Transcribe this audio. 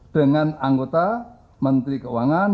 dengan anggota menteri keuangan